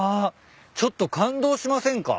ちょっと感動しませんか？